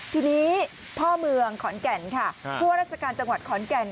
ทีนี้พ่อเมืองขอนแก่นค่ะผู้ว่าราชการจังหวัดขอนแก่น